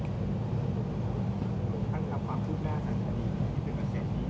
หมอบรรยาหมอบรรยา